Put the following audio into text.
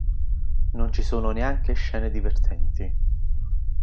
Non ci sono neanche scene divertenti.